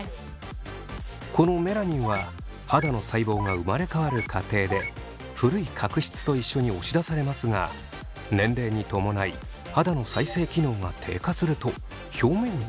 このメラニンは肌の細胞が生まれ変わる過程で古い角質と一緒に押し出されますが年齢に伴い肌の再生機能が低下すると表面に残ってしまいます。